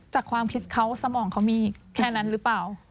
จากความคิดเขาสมองเขามีแค่นั้นหรือเปล่า